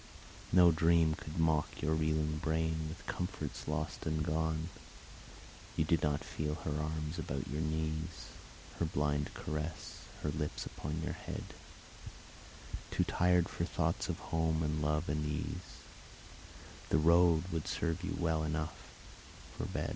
No dream could mock Your reeling brain with comforts lost and gone. You did not feel her arms about your knees, Her blind caress, her lips upon your head: Too tired for thoughts of home and love and ease, The road would serve you well enough fo